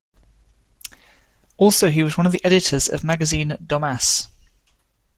Also he was one of the editors of magazine "Domas".